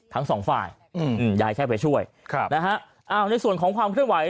ทั้งสองฝ่ายอืมยายแค่ไปช่วยครับนะฮะอ้าวในส่วนของความเคลื่อนไหว